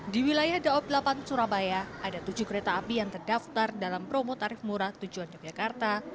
di wilayah daob delapan surabaya ada tujuh kereta api yang terdaftar dalam promo tarif murah tujuan yogyakarta